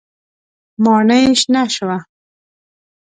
ماڼۍ شنه شوه.